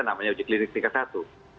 namanya uji klinik tingkat satu